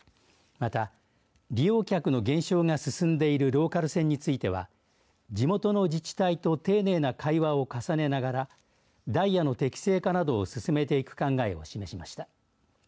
また、利用客の減少が進んでいるローカル線については地元の自治体と丁寧な会話を重ねながらダイヤの適正化などを進めていく考えを示しました。